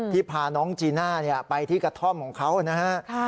พาน้องจีน่าไปที่กระท่อมของเขานะฮะ